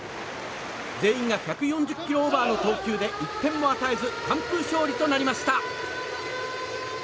全員が１４０キロオーバーの投球で１点も与えず完封勝利となりました。